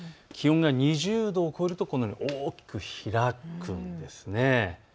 気温が２０度を超えるとこのように大きく開くんです。